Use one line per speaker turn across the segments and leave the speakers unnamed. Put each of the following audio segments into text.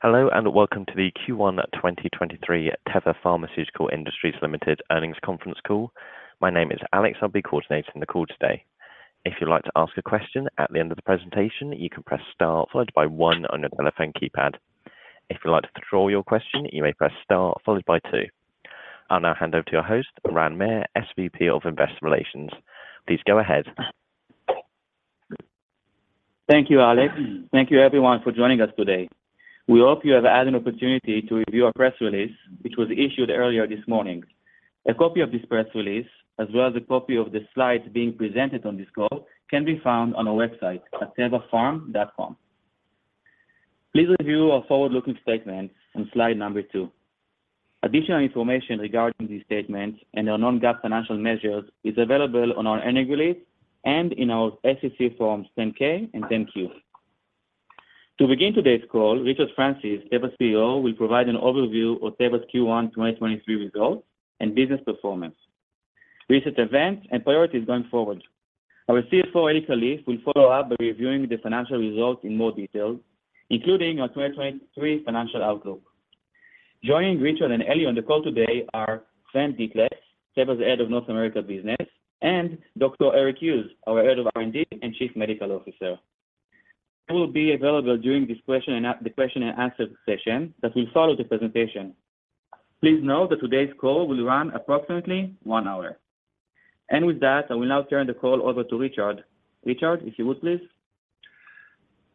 Hello welcome to the Q1 2023 Teva Pharmaceutical Industries Limited earnings conference call. My name is Alex, I'll be coordinating the call today. If you'd like to ask a question at the end of the presentation, you can press star followed by one on your telephone keypad. If you'd like to withdraw your question, you may press star followed by two. I'll now hand over to your host, Ran Meir, SVP of Investor Relations. Please go ahead.
Thank you, Alex. Thank you everyone for joining us today. We hope you have had an opportunity to review our press release, which was issued earlier this morning. A copy of this press release, as well as a copy of the slides being presented on this call, can be found on our website at tevapharm.com. Please review our forward-looking statements on slide number 2. Additional information regarding these statements and their non-GAAP financial measures is available on our annual release and in our SEC forms 10-K and 10-Q. To begin today's call, Richard Francis, Teva's CEO, will provide an overview of Teva's Q1 2023 results and business performance, recent events and priorities going forward. Our CFO, Eli Kalif, will follow up by reviewing the financial results in more detail, including our 2023 financial outlook. Joining Richard and Eli on the call today are Sven Dethlefs, Teva's Head of North America Business, and Dr. Eric Hughes, our Head of R&D and Chief Medical Officer. I will be available during this question and answer session that will follow the presentation. Please note that today's call will run approximately 1 hour. With that, I will now turn the call over to Richard. Richard, if you would, please.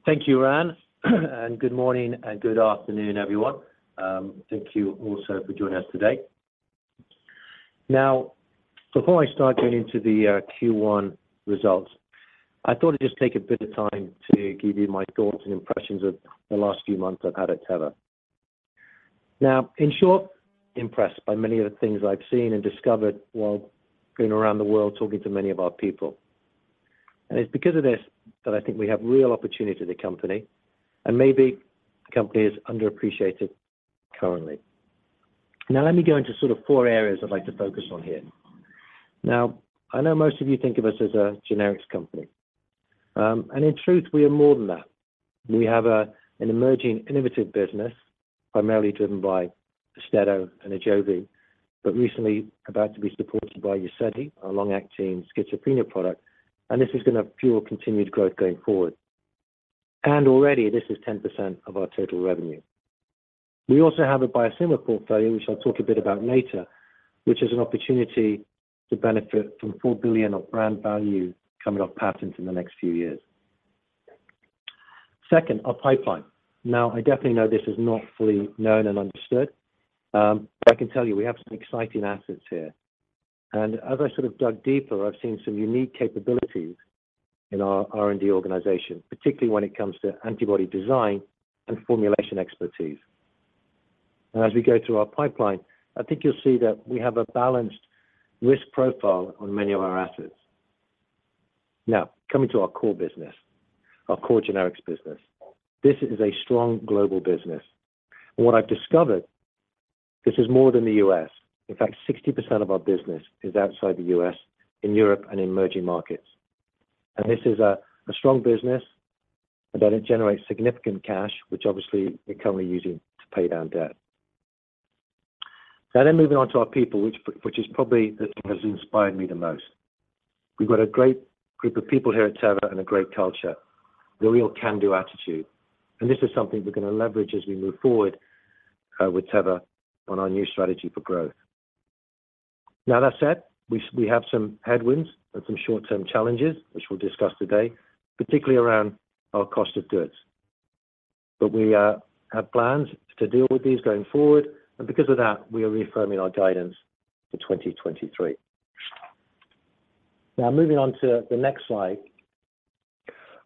Thank you, Ran, good morning and good afternoon, everyone. Thank you also for joining us today. Before I start going into the Q1 results, I thought I'd just take a bit of time to give you my thoughts and impressions of the last few months I've had at Teva. In short, impressed by many of the things I've seen and discovered while been around the world talking to many of our people. It's because of this that I think we have real opportunity at the company, and maybe the company is underappreciated currently. Let me go into sort of four areas I'd like to focus on here. I know most of you think of us as a generics company. In truth, we are more than that. We have an emerging innovative business primarily driven by AUSTEDO and AJOVY, but recently about to be supported by UZEDY, our long-acting schizophrenia product, and this is gonna fuel continued growth going forward. Already this is 10% of our total revenue. We also have a biosimilar portfolio, which I'll talk a bit about later, which is an opportunity to benefit from $4 billion of brand value coming off patents in the next few years. Second, our pipeline. I definitely know this is not fully known and understood, but I can tell you we have some exciting assets here. As I sort of dug deeper, I've seen some unique capabilities in our R&D organization, particularly when it comes to antibody design and formulation expertise. As we go through our pipeline, I think you'll see that we have a balanced risk profile on many of our assets. Coming to our core business, our core generics business. This is a strong global business. What I've discovered, this is more than the US. In fact, 60% of our business is outside the US, in Europe and emerging markets. This is a strong business, and that it generates significant cash, which obviously we're currently using to pay down debt. Moving on to our people, which is probably the thing that has inspired me the most. We've got a great group of people here at Teva and a great culture, the real can-do attitude. This is something we're gonna leverage as we move forward with Teva on our new strategy for growth. That said, we have some headwinds and some short-term challenges which we'll discuss today, particularly around our cost of goods. We have plans to deal with these going forward, and because of that, we are reaffirming our guidance for 2023. Moving on to the next slide.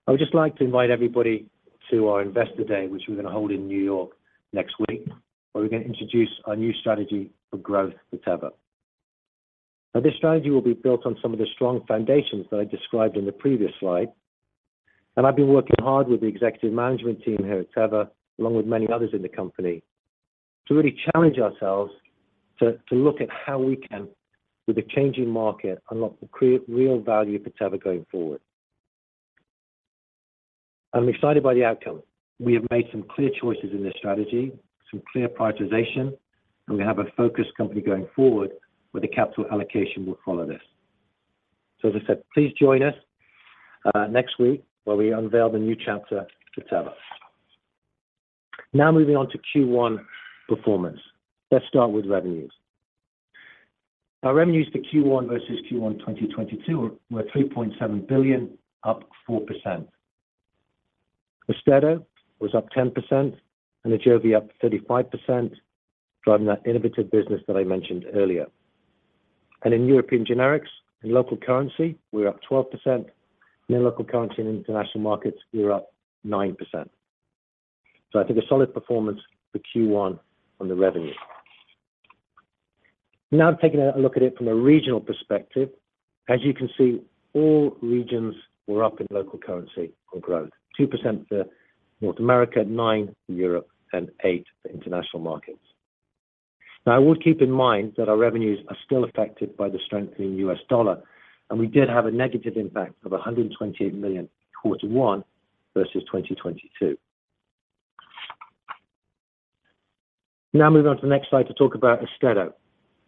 I would just like to invite everybody to our Investor Day, which we're gonna hold in New York next week, where we're gonna introduce our new strategy for growth for Teva. This strategy will be built on some of the strong foundations that I described in the previous slide. I've been working hard with the executive management team here at Teva, along with many others in the company, to really challenge ourselves to look at how we can, with the changing market, unlock the real value for Teva going forward. I'm excited by the outcome. We have made some clear choices in this strategy, some clear prioritization, and we have a focused company going forward where the capital allocation will follow this. As I said, please join us next week where we unveil the new chapter for Teva. Moving on to Q1 performance. Let's start with revenues. Our revenues for Q1 versus Q1 2022 were $3.7 billion, up 4%. AUSTEDO was up 10%, and AJOVY up 35%, driving that innovative business that I mentioned earlier. In European generics in local currency, we're up 12%. In local currency in international markets, we're up 9%. I think a solid performance for Q1 on the revenue. Taking a look at it from a regional perspective. As you can see, all regions were up in local currency on growth, 2% for North America, 9% for Europe and 8% for international markets. I would keep in mind that our revenues are still affected by the strengthening US dollar, and we did have a negative impact of $128 million in quarter one versus 2022. Moving on to the next slide to talk about AUSTEDO,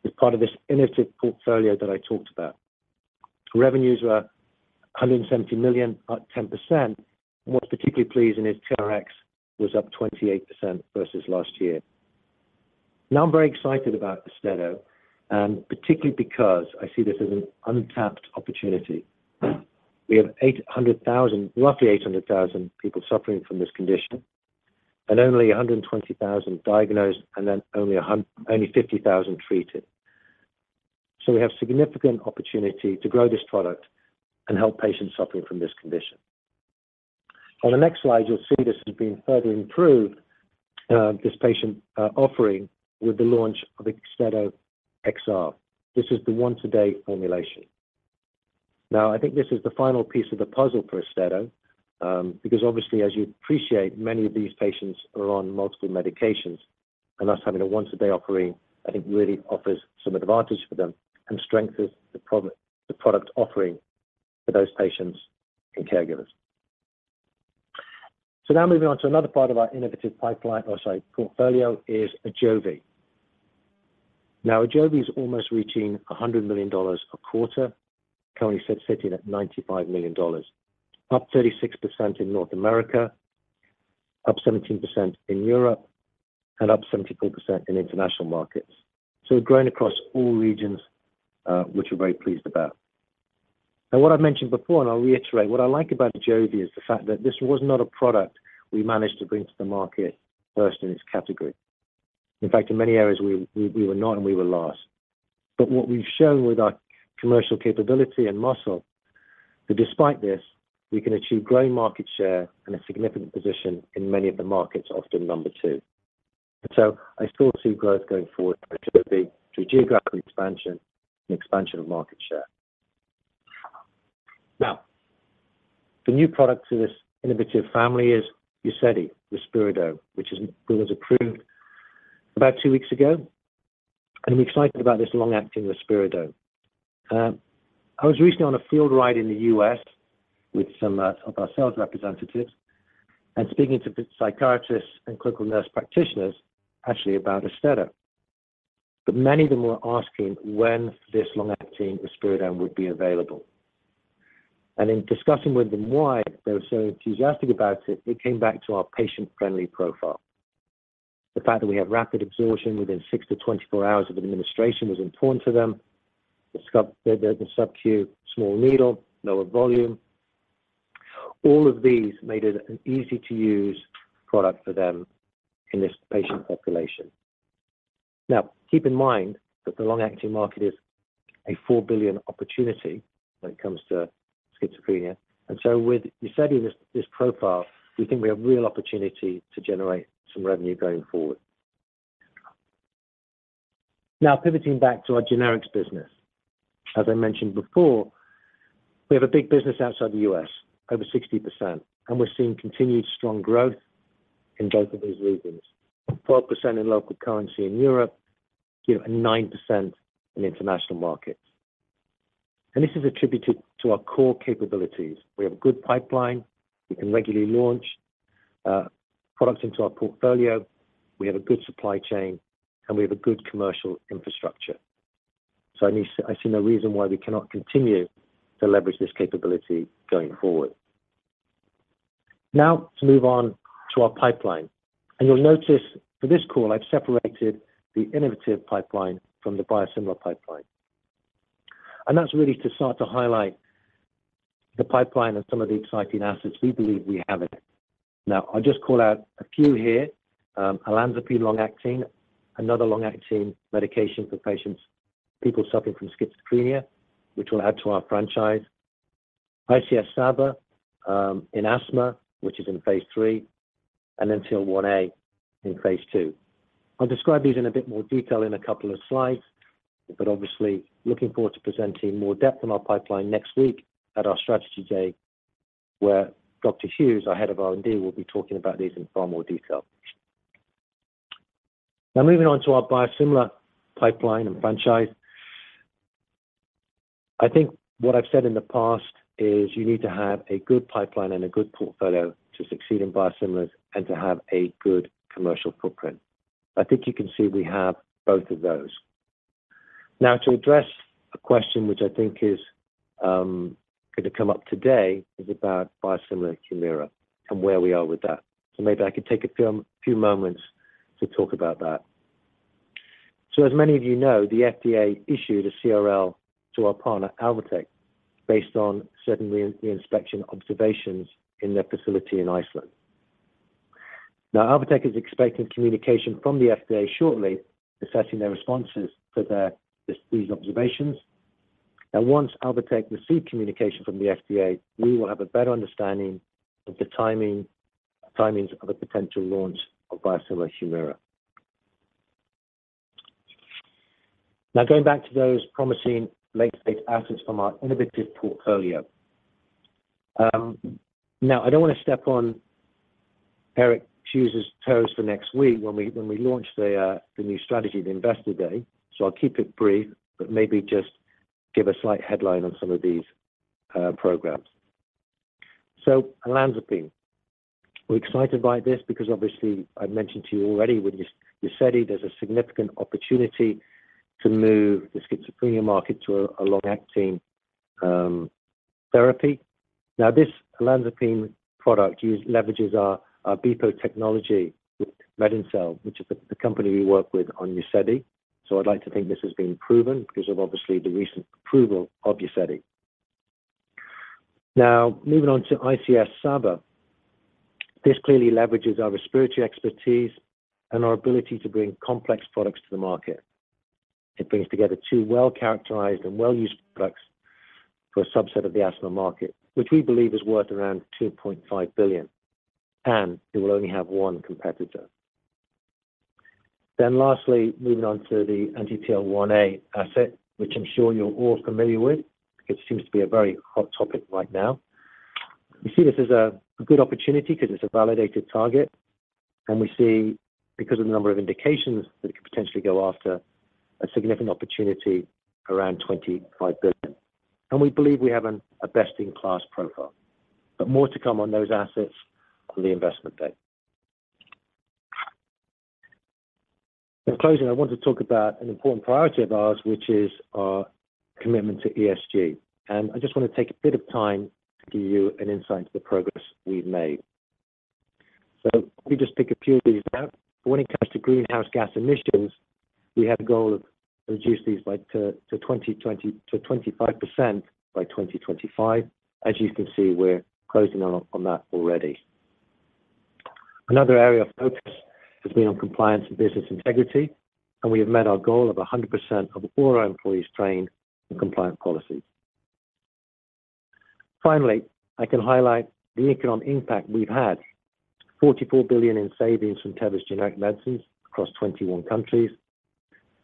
as part of this innovative portfolio that I talked about. Revenues were $170 million, up 10%. What's particularly pleasing is TRX was up 28% versus last year. I'm very excited about AUSTEDO, particularly because I see this as an untapped opportunity. We have roughly 800,000 people suffering from this condition and only 120,000 diagnosed and then only 50,000 treated. We have significant opportunity to grow this product and help patients suffering from this condition. On the next slide, you'll see this has been further improved, this patient offering with the launch of AUSTEDO XR. This is the once a day formulation. Now, I think this is the final piece of the puzzle for AUSTEDO, because obviously, as you appreciate, many of these patients are on multiple medications, and us having a once a day offering, I think really offers some advantage for them and strengthens the product offering for those patients and caregivers. Now moving on to another part of our innovative pipeline or, sorry, portfolio is AJOVY. AJOVY is almost reaching $100 million a quarter, currently sitting at $95 million, up 36% in North America, up 17% in Europe, and up 74% in international markets. Growing across all regions, which we're very pleased about. What I've mentioned before, and I'll reiterate, what I like about AJOVY is the fact that this was not a product we managed to bring to the market first in its category. In fact, in many areas, we were not and we were last. What we've shown with our commercial capability and muscle, that despite this, we can achieve growing market share and a significant position in many of the markets, often number two. I still see growth going forward for AJOVY through geographic expansion and expansion of market share. The new product to this innovative family is UZEDY risperidone, which was approved about 2 weeks ago. I'm excited about this long-acting risperidone. I was recently on a field ride in the U.S. with some of our sales representatives and speaking to psychiatrists and clinical nurse practitioners actually about AUSTEDO. Many of them were asking when this long-acting risperidone would be available. In discussing with them why they were so enthusiastic about it came back to our patient-friendly profile. The fact that we have rapid absorption within 6-24 hours of administration was important to them. The subQ small needle, lower volume, all of these made it an easy-to-use product for them in this patient population. Keep in mind that the long-acting market is a $4 billion opportunity when it comes to schizophrenia. With UZEDY, this profile, we think we have real opportunity to generate some revenue going forward. Pivoting back to our generics business. As I mentioned before, we have a big business outside the US, over 60%, and we're seeing continued strong growth in both of these regions. 12% in local currency in Europe and 9% in international markets. This is attributed to our core capabilities. We have a good pipeline. We can regularly launch products into our portfolio. We have a good supply chain, and we have a good commercial infrastructure. I see no reason why we cannot continue to leverage this capability going forward. To move on to our pipeline. You'll notice for this call, I've separated the innovative pipeline from the biosimilar pipeline. That's really to start to highlight the pipeline and some of the exciting assets we believe we have in it. I'll just call out a few here. olanzapine long-acting, another long-acting medication for people suffering from schizophrenia, which will add to our franchise. ICS-SABA in asthma, which is in Phase 3, and then TL1A in Phase 2. I'll describe these in a bit more detail in a couple of slides, but obviously, looking forward to presenting more depth on our pipeline next week at our strategy day where Dr. Hughes, our head of R&D, will be talking about these in far more detail. Moving on to our biosimilar pipeline and franchise. I think what I've said in the past is you need to have a good pipeline and a good portfolio to succeed in biosimilars and to have a good commercial footprint. I think you can see we have both of those. To address a question which I think is going to come up today is about biosimilar Humira and where we are with that. Maybe I could take a few moments to talk about that. As many of you know, the FDA issued a CRL to our partner, Alvotech, based on certain re-inspection observations in their facility in Iceland. Alvotech is expecting communication from the FDA shortly, assessing their responses to these observations. Once Alvotech receives communication from the FDA, we will have a better understanding of the timing of a potential launch of biosimilar Humira. Going back to those promising late-stage assets from our innovative portfolio. I don't want to step on Eric Hughes's toes for next week when we launch the new strategy, the investor day. I'll keep it brief, but maybe just give a slight headline on some of these programs. Olanzapine. We're excited by this because obviously I've mentioned to you already with TEV-749, there's a significant opportunity to move the schizophrenia market to a long-acting therapy. This olanzapine product leverages our BEPO technology with MedinCell, which is the company we work with on TEV-749. I'd like to think this has been proven because of obviously the recent approval of TEV-749. Moving on to ICS/SABA. This clearly leverages our respiratory expertise and our ability to bring complex products to the market. It brings together 2 well-characterized and well-used products for a subset of the asthma market, which we believe is worth around $2.5 billion, and it will only have 1 competitor. Lastly, moving on to the anti-TL1A asset, which I'm sure you're all familiar with. It seems to be a very hot topic right now. We see this as a good opportunity because it's a validated target, and we see because of the number of indications that it could potentially go after a significant opportunity around $25 billion. We believe we have a best in class profile, but more to come on those assets on the investment day. In closing, I want to talk about an important priority of ours, which is our commitment to ESG, and I just want to take a bit of time to give you an insight into the progress we've made. Let me just pick a few of these out. When it comes to greenhouse gas emissions, we have a goal of reduce these by 25% by 2025. As you can see, we're closing on that already. Another area of focus has been on compliance and business integrity, and we have met our goal of 100% of all our employees trained in compliant policies. Finally, I can highlight the economic impact we've had. $44 billion in savings from Teva's generic medicines across 21 countries,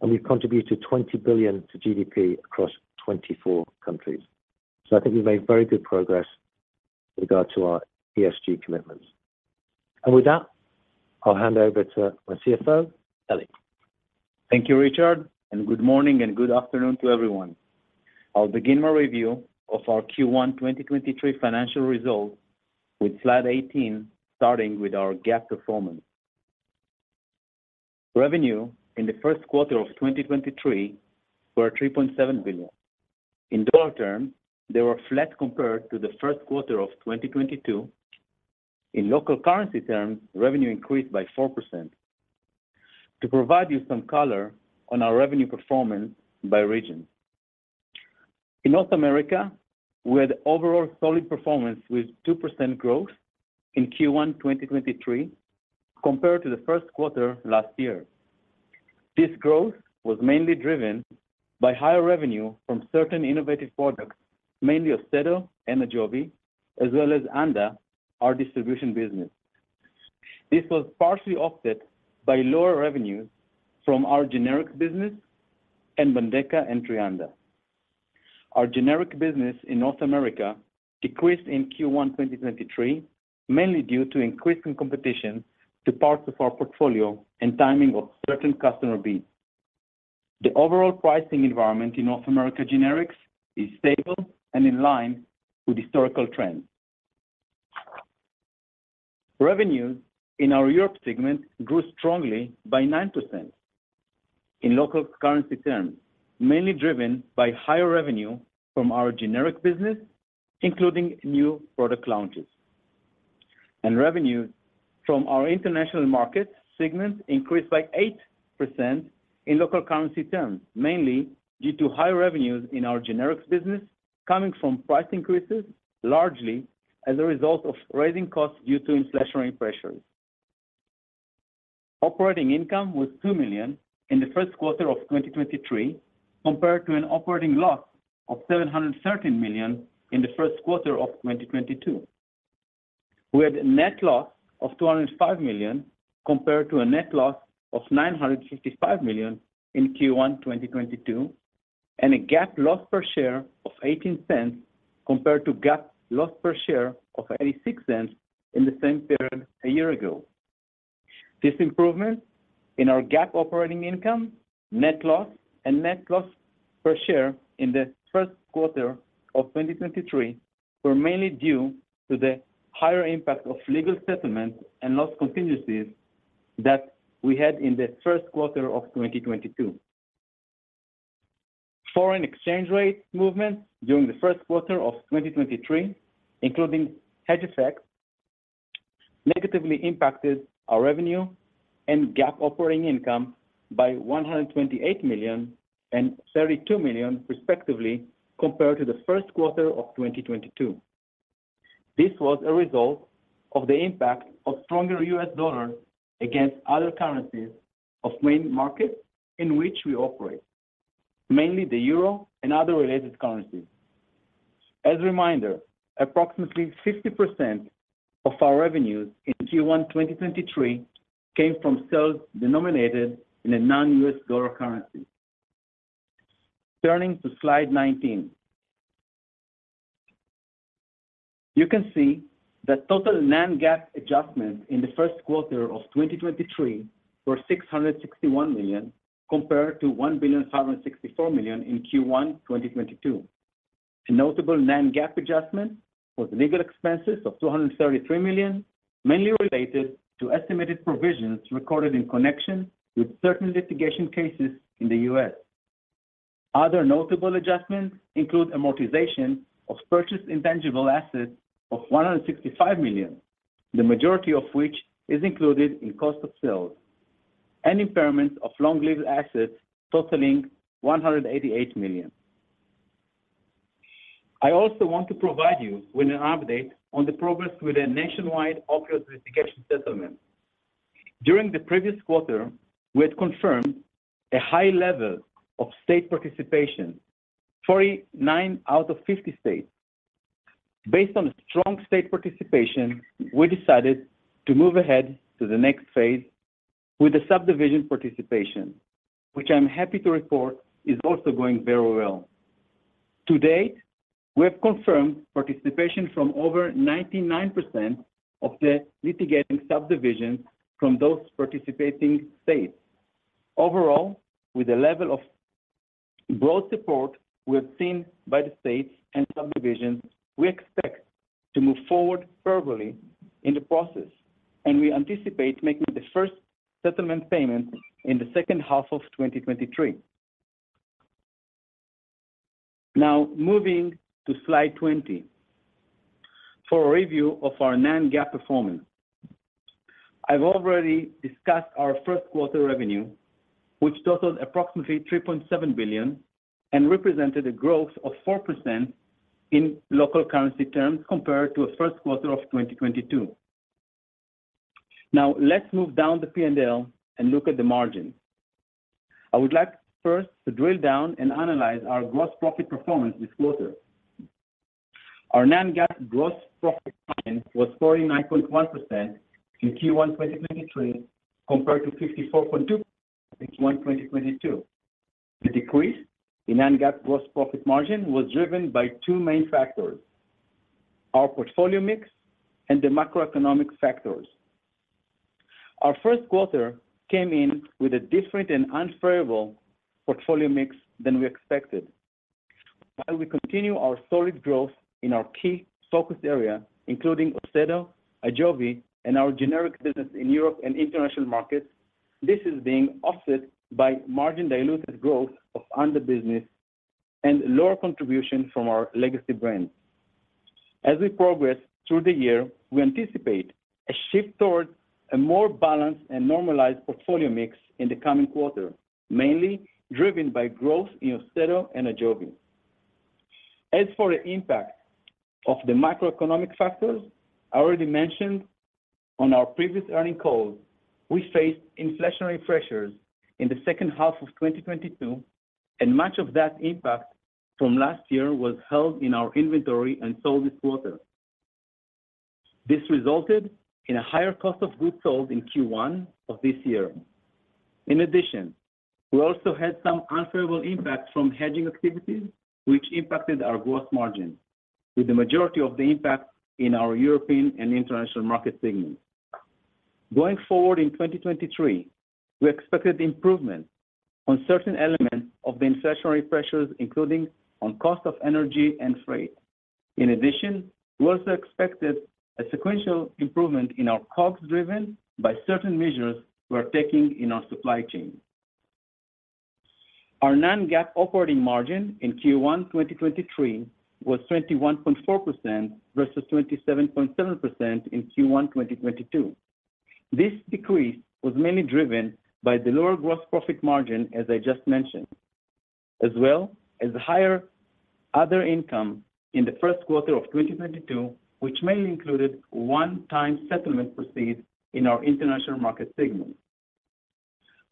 and we've contributed $20 billion to GDP across 24 countries. I think we've made very good progress with regard to our ESG commitments. With that, I'll hand over to my CFO, Eli.
Thank you, Richard, and good morning and good afternoon to everyone. I'll begin my review of our Q1 2023 financial results with slide 18, starting with our GAAP performance. Revenue in the first quarter of 2023 were $3.7 billion. In dollar terms, they were flat compared to the first quarter of 2022. In local currency terms, revenue increased by 4%. To provide you some color on our revenue performance by region. In North America, we had overall solid performance with 2% growth in Q1 2023 compared to the first quarter last year. This growth was mainly driven by higher revenue from certain innovative products, mainly AUSTEDO and AJOVY, as well as ANDA, our distribution business. This was partially offset by lower revenues from our generics business and BENDEKA and TREANDA. Our generic business in North America decreased in Q1 2023, mainly due to increasing competition to parts of our portfolio and timing of certain customer bids. The overall pricing environment in North America generics is stable and in line with historical trends. Revenues in our Europe segment grew strongly by 9% in local currency terms, mainly driven by higher revenue from our generic business, including new product launches. Revenues from our international markets segment increased by 8% in local currency terms, mainly due to higher revenues in our generics business coming from price increases, largely as a result of rising costs due to inflationary pressures. Operating income was $2 million in the first quarter of 2023, compared to an operating loss of $713 million in the first quarter of 2022. We had a net loss of $205 million, compared to a net loss of $955 million in Q1 2022, and a GAAP loss per share of $0.18 compared to GAAP loss per share of $0.86 in the same period a year ago. This improvement in our GAAP operating income, net loss, and net loss per share in the first quarter of 2023 were mainly due to the higher impact of legal settlements and loss contingencies that we had in the first quarter of 2022. Foreign exchange rate movements during the first quarter of 2023, including hedge effects, negatively impacted our revenue and GAAP operating income by $128 million and $32 million respectively compared to the first quarter of 2022. This was a result of the impact of stronger US dollar against other currencies of main markets in which we operate, mainly the euro and other related currencies. As a reminder, approximately 50% of our revenues in Q1 2023 came from sales denominated in a non-US dollar currency. Turning to slide 19. You can see that total non-GAAP adjustments in the first quarter of 2023 were $661 million compared to $1,764 million in Q1 2022. A notable non-GAAP adjustment was legal expenses of $233 million, mainly related to estimated provisions recorded in connection with certain litigation cases in the U.S. Other notable adjustments include amortization of purchase intangible assets of $165 million, the majority of which is included in cost of sales, and impairment of long-lived assets totaling $188 million. I also want to provide you with an update on the progress with the nationwide opioid litigation settlement. During the previous quarter, we had confirmed a high level of state participation, 49 out of 50 states. Based on a strong state participation, we decided to move ahead to the next phase with the subdivision participation, which I'm happy to report is also going very well. To date, we have confirmed participation from over 99% of the litigating subdivisions from those participating states. With the level of broad support we have seen by the states and subdivisions, we expect to move forward favorably in the process, and we anticipate making the first settlement payment in the second half of 2023. Moving to slide 20 for a review of our non-GAAP performance. I've already discussed our first quarter revenue, which totaled approximately $3.7 billion and represented a growth of 4% in local currency terms compared to a first quarter of 2022. Now, let's move down the P&L and look at the margin. I would like first to drill down and analyze our gross profit performance this quarter. Our non-GAAP gross profit margin was 49.1% in Q1 2023, compared to 54.2% in Q1 2022. The decrease in non-GAAP gross profit margin was driven by two main factors: our portfolio mix and the macroeconomic factors. Our first quarter came in with a different and unfavorable portfolio mix than we expected. While we continue our solid growth in our key focus area, including AUSTEDO, AJOVY, and our generic business in Europe and international markets, this is being offset by margin-dilutive growth of other business and lower contribution from our legacy brands. As we progress through the year, we anticipate a shift towards a more balanced and normalized portfolio mix in the coming quarter, mainly driven by growth in AUSTEDO and AJOVY. As for the impact of the macroeconomic factors, I already mentioned on our previous earnings calls, we faced inflationary pressures in the second half of 2022, and much of that impact from last year was held in our inventory and sold this quarter. This resulted in a higher COGS in Q1 of this year. We also had some unfavorable impact from hedging activities which impacted our gross margin, with the majority of the impact in our European and international market segments. Going forward in 2023, we expected improvement on certain elements of the inflationary pressures, including on cost of energy and freight. We also expected a sequential improvement in our COGS, driven by certain measures we are taking in our supply chain. Our non-GAAP operating margin in Q1 2023 was 21.4% versus 27.7% in Q1 2022. This decrease was mainly driven by the lower gross profit margin, as I just mentioned, as well as the higher other income in the first quarter of 2022, which mainly included one-time settlement proceeds in our international market segment.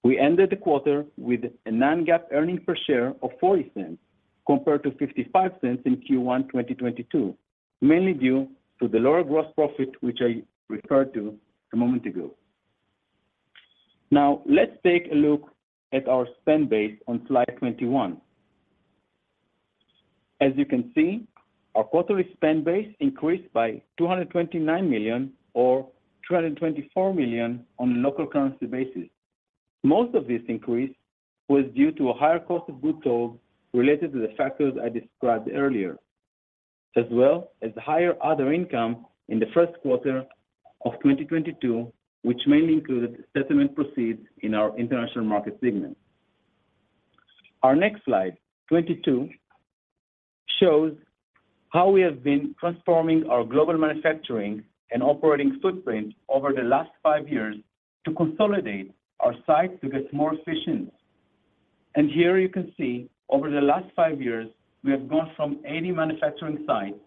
We ended the quarter with a non-GAAP earnings per share of $0.40 compared to $0.55 in Q1 2022, mainly due to the lower gross profit, which I referred to a moment ago. Let's take a look at our spend base on slide 21. As you can see, our quarterly spend base increased by $229 million or $224 million on a local currency basis. Most of this increase was due to a higher cost of goods sold related to the factors I described earlier, as well as the higher other income in the first quarter of 2022, which mainly included settlement proceeds in our international market segment. Our next slide, 22, shows how we have been transforming our global manufacturing and operating footprint over the last five years to consolidate our sites to get more efficient. Here you can see over the last 5 years, we have gone from 80 manufacturing sites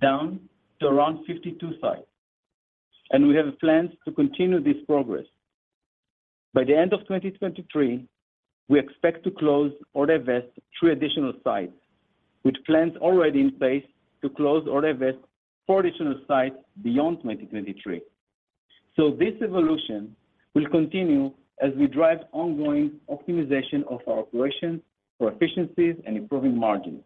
down to around 52 sites, and we have plans to continue this progress. By the end of 2023, we expect to close or divest 3 additional sites, with plans already in place to close or divest 4 additional sites beyond 2023.This evolution will continue as we drive ongoing optimization of our operations for efficiencies and improving margins.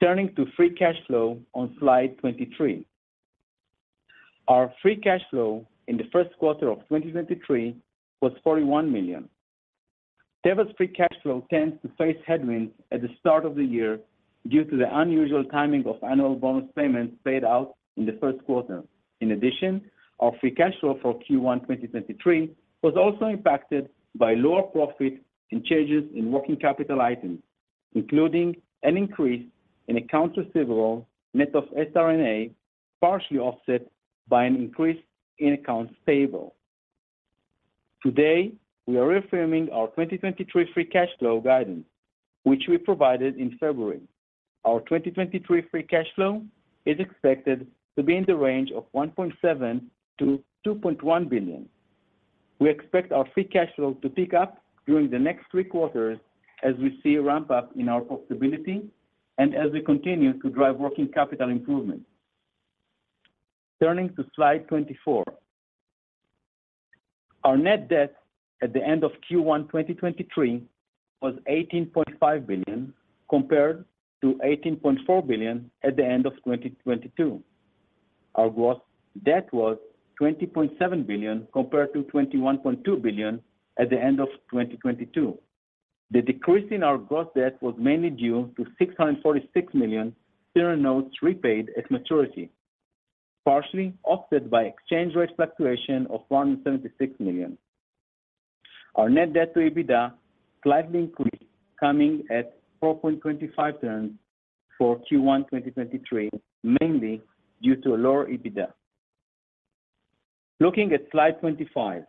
Turning to free cash flow on slide 23. Our free cash flow in the first quarter of 2023 was $41 million. Teva's free cash flow tends to face headwinds at the start of the year due to the unusual timing of annual bonus payments paid out in the first quarter. Our free cash flow for Q1 2023 was also impacted by lower profit and changes in working capital items, including an increase in accounts receivable net of SR&A, partially offset by an increase in accounts payable. Today, we are reaffirming our 2023 free cash flow guidance, which we provided in February. Our 2023 free cash flow is expected to be in the range of $1.7 billion-$2.1 billion. We expect our free cash flow to pick up during the next three quarters as we see a ramp-up in our profitability and as we continue to drive working capital improvements. Turning to slide 24. Our net debt at the end of Q1 2023 was $18.5 billion, compared to $18.4 billion at the end of 2022. Our gross debt was $20.7 billion compared to $21.2 billion at the end of 2022. The decrease in our gross debt was mainly due to $646 million senior notes repaid at maturity, partially offset by exchange rate fluctuation of $176 million. Our net debt to EBITDA slightly increased, coming at 4.25 times for Q1 2023, mainly due to a lower EBITDA. Looking at slide 25.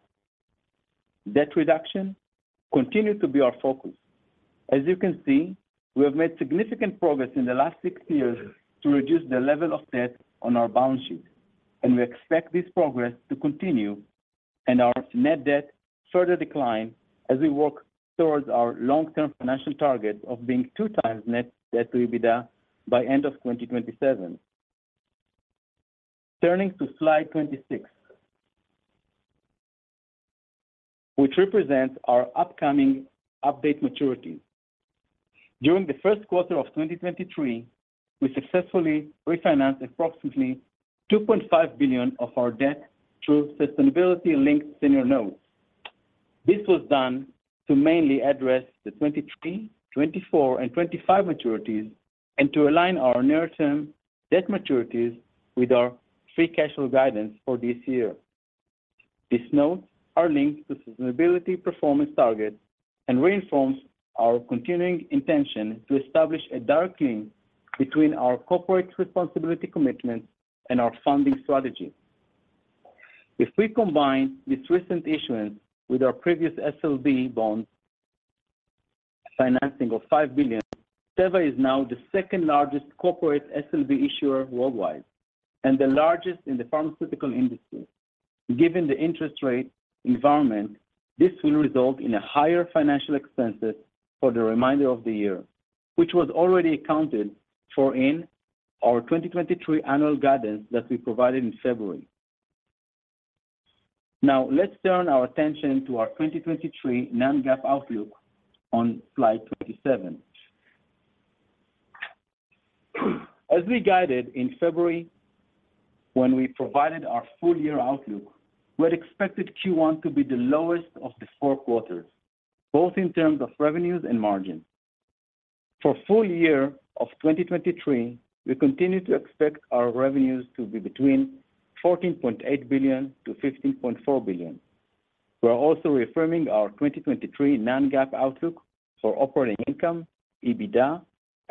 Debt reduction continued to be our focus. As you can see, we have made significant progress in the last six years to reduce the level of debt on our balance sheet, and we expect this progress to continue and our net debt further decline as we work towards our long-term financial target of being 2 times net debt to EBITDA by end of 2027. Turning to slide 26, which represents our upcoming update maturities. During the 1st quarter of 2023, we successfully refinanced approximately $2.5 billion of our debt through sustainability-linked senior notes. This was done to mainly address the 2023, 2024, and 2025 maturities and to align our near-term debt maturities with our free cash flow guidance for this year. These notes are linked to sustainability performance targets and reinforce our continuing intention to establish a direct link between our corporate responsibility commitments and our funding strategy. We combine this recent issuance with our previous SLB bonds financing of $5 billion, Teva is now the second-largest corporate SLB issuer worldwide and the largest in the pharmaceutical industry. Given the interest rate environment, this will result in a higher financial expenses for the remainder of the year, which was already accounted for in our 2023 annual guidance that we provided in February. Now, let's turn our attention to our 2023 non-GAAP outlook on slide 27. As we guided in February when we provided our full-year outlook, we had expected Q1 to be the lowest of the four quarters, both in terms of revenues and margins. For full year of 2023, we continue to expect our revenues to be between $14.8 billion-$15.4 billion. We are also reaffirming our 2023 non-GAAP outlook for operating income, EBITDA,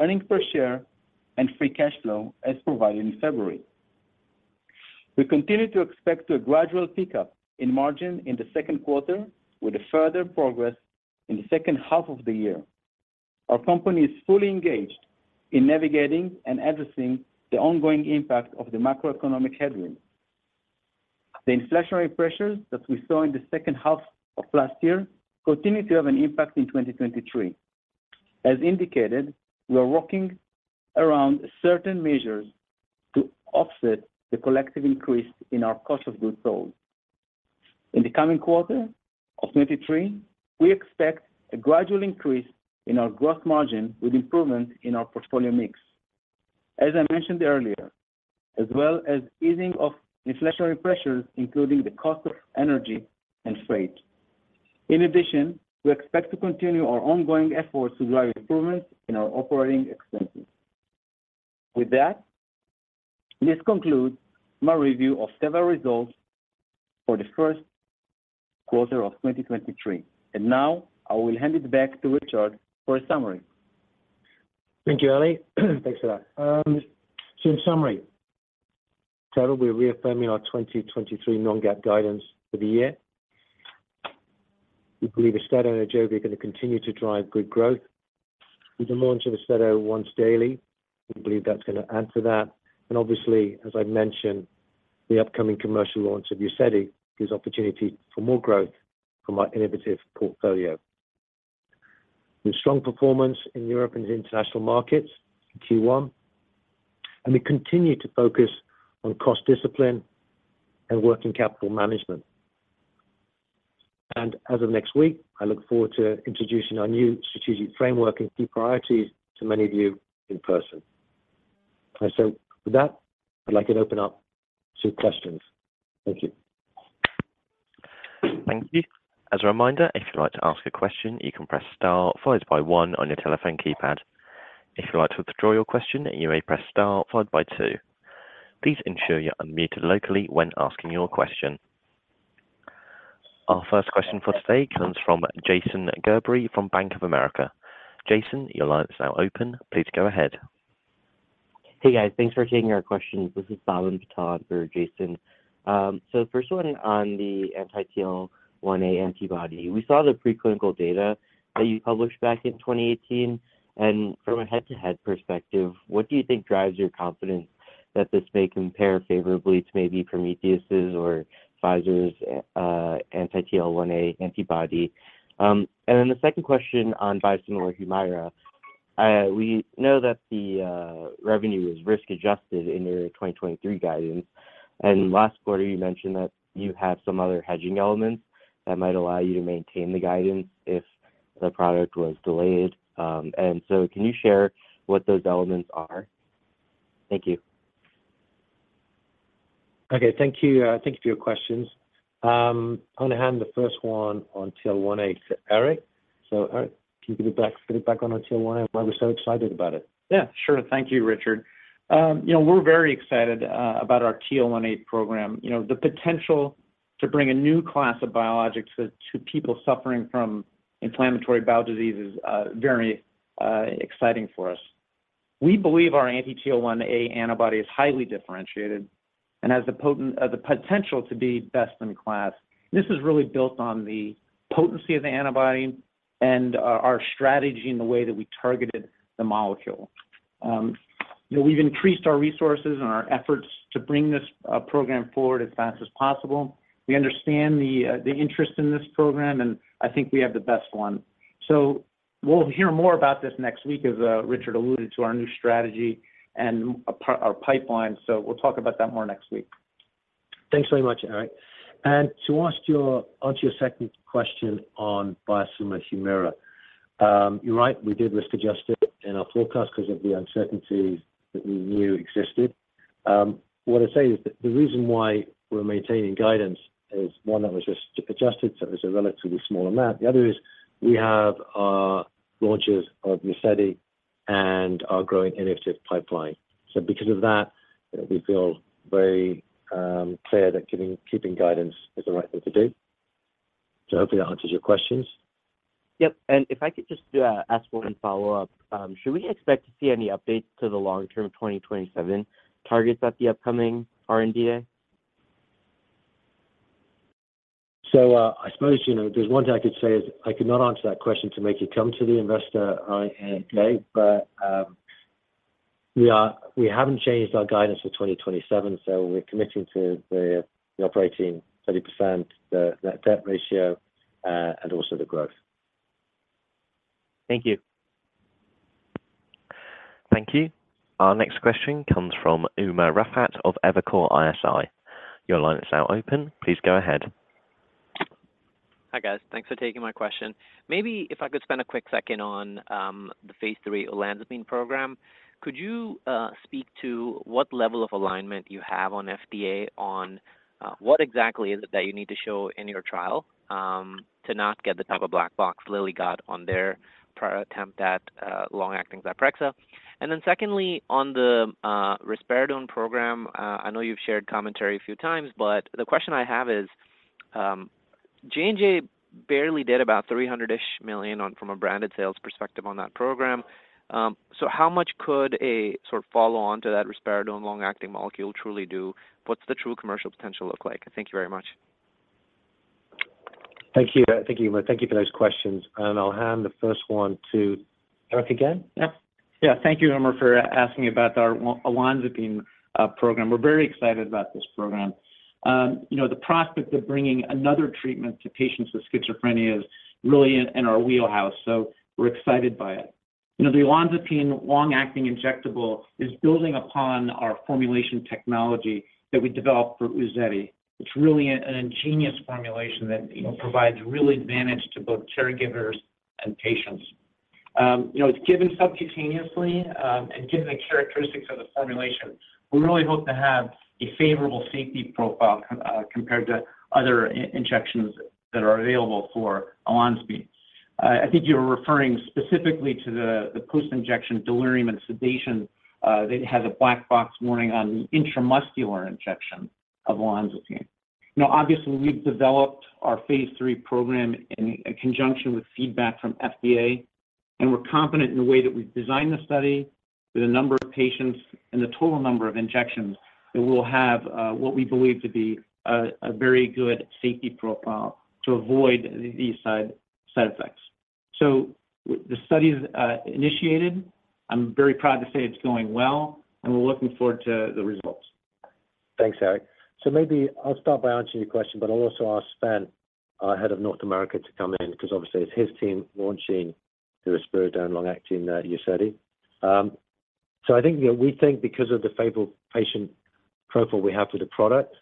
earnings per share, and free cash flow as provided in February. We continue to expect a gradual pickup in margin in the second quarter with a further progress in the second half of the year. Our company is fully engaged in navigating and addressing the ongoing impact of the macroeconomic headwinds. The inflationary pressures that we saw in the second half of last year continue to have an impact in 2023. As indicated, we are working around certain measures to offset the collective increase in our cost of goods sold. In the coming quarter of 2023, we expect a gradual increase in our gross margin with improvement in our portfolio mix. As I mentioned earlier, as well as easing of inflationary pressures, including the cost of energy and freight. We expect to continue our ongoing efforts to drive improvements in our operating expenses. With that, this concludes my review of Teva results for the first quarter of 2023. Now I will hand it back to Richard for a summary.
Thank you, Eli. Thanks for that. In summary, Teva, we are reaffirming our 2023 non-GAAP guidance for the year. We believe AUSTEDO and AJOVY are gonna continue to drive good growth. With the launch of AUSTEDO once daily, we believe that's gonna add to that. Obviously, as I mentioned, the upcoming commercial launch of UZEDY gives opportunity for more growth from our innovative portfolio. With strong performance in Europe and international markets in Q1. We continue to focus on cost discipline and working capital management. As of next week, I look forward to introducing our new strategic framework and key priorities to many of you in person. I say with that, I'd like to open up to questions. Thank you.
Thank you. As a reminder, if you'd like to ask a question, you can press star followed by one on your telephone keypad. If you'd like to withdraw your question, you may press star followed by two. Please ensure you're unmuted locally when asking your question. Our first question for today comes from Jason Gerberry from Bank of America. Jason, your line is now open. Please go ahead.
Hey, guys. Thanks for taking our questions. This is Hassan Aftab for Jason Gerberry. The first one on the anti-TL1A antibody. We saw the preclinical data that you published back in 2018, and from a head-to-head perspective, what do you think drives your confidence that this may compare favorably to maybe Prometheus' or Pfizer's anti-TL1A antibody? The second question on biosimilar Humira. We know that the revenue is risk adjusted in your 2023 guidance. Last quarter you mentioned that you have some other hedging elements that might allow you to maintain the guidance if the product was delayed. Can you share what those elements are? Thank you.
Okay. Thank you. Thank you for your questions. I'm going to hand the first one on TL1A to Eric. Eric, can you get it back on our TL1A, why we're so excited about it?
Yeah, sure. Thank you, Richard. You know, we're very excited about our TL1A program. You know, the potential to bring a new class of biologics to people suffering from inflammatory bowel disease is very exciting for us. We believe our anti-TL1A antibody is highly differentiated and has the potential to be best in class. This is really built on the potency of the antibody and our strategy in the way that we targeted the molecule. We've increased our resources and our efforts to bring this program forward as fast as possible. We understand the interest in this program, I think we have the best one. We'll hear more about this next week as Richard alluded to our new strategy and our pipeline. We'll talk about that more next week.
Thanks very much, Eric. Onto your second question on biosimilar Humira. You're right, we did risk adjust it in our forecast because of the uncertainty that we knew existed. What I say is the reason why we're maintaining guidance is, one, that was just adjusted, so it was a relatively small amount. The other is we have our launches of VYEPTI and our growing innovative pipeline. Because of that, we feel very clear that keeping guidance is the right thing to do. Hopefully that answers your questions.
Yep. If I could just ask 1 follow-up. Should we expect to see any updates to the long-term 2027 targets at the upcoming R&D day?
I suppose there's one thing I could say is I could not answer that question to make you come to the Investor Day. We haven't changed our guidance for 2027, so we're committing to the operating 30%, the net debt ratio, and also the growth.
Thank you.
Thank you. Our next question comes from Umer Raffat of Evercore ISI. Your line is now open. Please go ahead.
Hi, guys. Thanks for taking my question. Maybe if I could spend a quick second on the phase 3 olanzapine program. Could you speak to what level of alignment you have on FDA on what exactly is it that you need to show in your trial to not get the type of black box Lilly got on their prior attempt at long-acting Zyprexa? Secondly, on the risperidone program, I know you've shared commentary a few times, but the question I have is, J&J barely did about $300 million-ish on from a branded sales perspective on that program. How much could a sort of follow on to that risperidone long-acting molecule truly do? What's the true commercial potential look like? Thank you very much.
Thank you. Thank you, Umer. Thank you for those questions. I'll hand the first one to Eric again.
Yeah. Yeah. Thank you, Umer, for asking about our olanzapine program. We're very excited about this program. You know, the prospect of bringing another treatment to patients with schizophrenia is really in our wheelhouse, we're excited by it. You know, the olanzapine long-acting injectable is building upon our formulation technology that we developed for VYEPTI. It's really an ingenious formulation that provides real advantage to both caregivers and patients. You know, it's given subcutaneously, given the characteristics of the formulation, we really hope to have a favorable safety profile compared to other injections that are available for olanzapine. I think you're referring specifically to the Post-injection Delirium and Sedation that has a black box warning on the intramuscular injection of olanzapine. You know, obviously, we've developed our phase 3 program in conjunction with feedback from FDA, and we're confident in the way that we've designed the study with the number of patients and the total number of injections that we'll have, what we believe to be a very good safety profile to avoid these side effects. The study is initiated. I'm very proud to say it's going well, and we're looking forward to the results.
Thanks, Eric. Maybe I'll start by answering your question, but I'll also ask Sven, our head of North America, to come in because obviously it's his team launching the risperidone long-acting UZEDY. I think we think because of the favorable patient profile we have with the product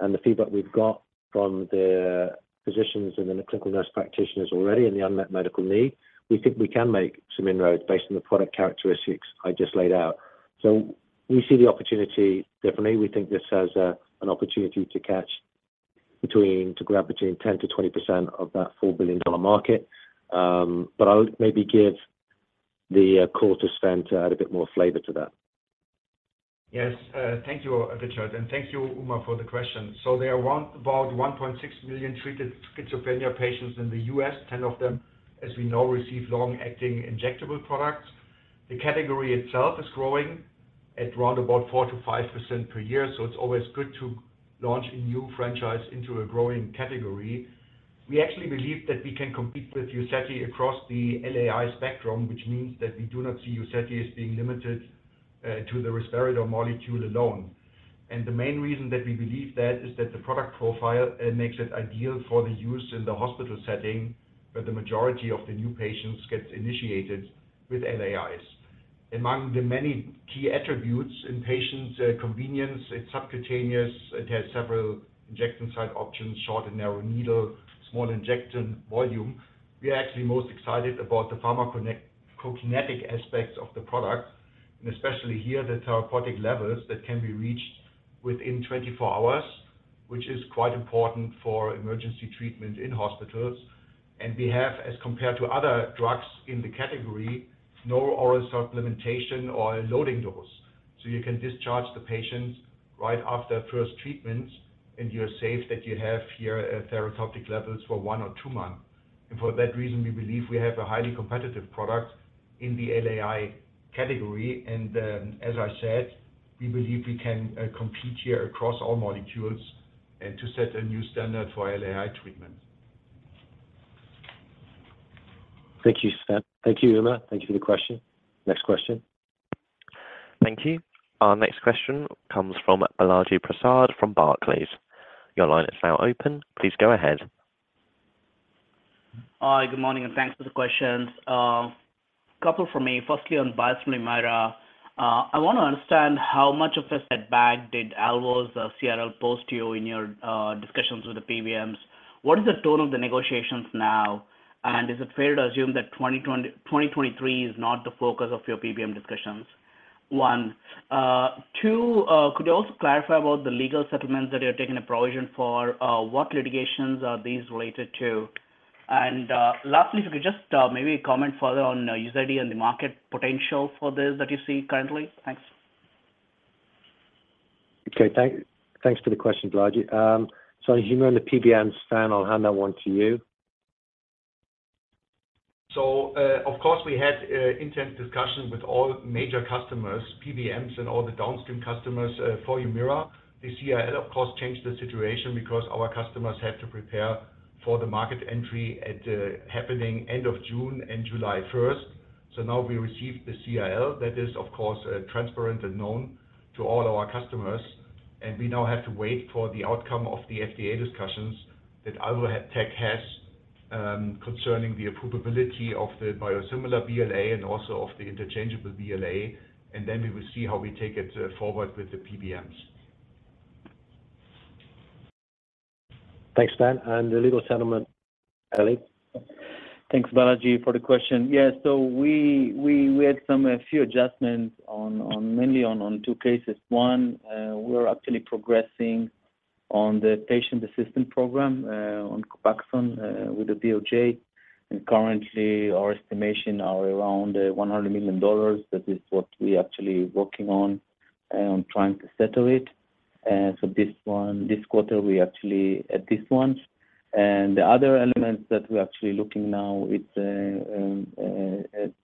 and the feedback we've got from the physicians and the clinical nurse practitioners already and the unmet medical need, we think we can make some inroads based on the product characteristics I just laid out. We see the opportunity. Definitely, we think this has an opportunity to grab between 10%-20% of that $4 billion market. I would maybe give the call to Sven to add a bit more flavor to that.
Yes. Thank you, Richard, and thank you, Umer, for the question. There are about 1.6 million treated schizophrenia patients in the U.S. 10 of them, as we know, receive long-acting injectable products. The category itself is growing at around about 4%-5% per year. It's always good to launch a new franchise into a growing category. We actually believe that we can compete with UZEDY across the LAI spectrum, which means that we do not see UZEDY as being limited to the risperidone molecule alone. The main reason that we believe that is that the product profile makes it ideal for the use in the hospital setting, where the majority of the new patients gets initiated with LAIs. Among the many key attributes in patients, convenience, it's subcutaneous, it has several injection site options, short and narrow needle, small injection volume. We are actually most excited about the pharmacokinetic aspects of the product, and especially here, the therapeutic levels that can be reached within 24 hours, which is quite important for emergency treatment in hospitals. We have, as compared to other drugs in the category, no oral supplementation or loading dose. You can discharge the patients right after first treatment, and you are safe that you have here therapeutic levels for 1 or 2 months. For that reason, we believe we have a highly competitive product in the LAI category. As I said, we believe we can compete here across all molecules and to set a new standard for LAI treatment.
Thank you, Sven. Thank you, Umer. Thank you for the question. Next question.
Thank you. Our next question comes from Balaji Prasad from Barclays. Your line is now open. Please go ahead.
Hi. Good morning, and thanks for the questions. A couple for me. Firstly, on biosimilar Humira. I wanna understand how much of this had bag did Alvotech, CRL post to you in your discussions with the PBMs. What is the tone of the negotiations now? Is it fair to assume that 2023 is not the focus of your PBM discussions? One. Two, could you also clarify about the legal settlements that you're taking a provision for? What litigations are these related to? Lastly, if you could just maybe comment further on UZEDY and the market potential for this that you see currently. Thanks.
Okay. Thanks for the question, Balaji. On Humira and the PBMs, Sven, I'll hand that one to you.
Of course, we had intense discussions with all major customers, PBMs and all the downstream customers for Humira. The CRL, of course, changed the situation because our customers had to prepare for the market entry at happening end of June and July first. Now we received the CRL. That is, of course, transparent and known to all our customers, and we now have to wait for the outcome of the FDA discussions that Alvotech has concerning the approvability of the biosimilar BLA and also of the interchangeable BLA, and then we will see how we take it forward with the PBMs.
Thanks, Sven. The legal settlement, Ali.
Thanks, Balaji, for the question. Yeah. We had some a few adjustments on mainly on two cases. One, we're actually progressing on the Patient Assistant Program on COPAXONE with the DOJ. Currently, our estimation are around $100 million. That is what we actually working on trying to settle it. This quarter, we actually at this one. The other elements that we're actually looking now, it's